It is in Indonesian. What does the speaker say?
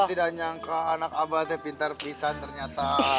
saya tidak nyangka anak abadnya pintar pisang ternyata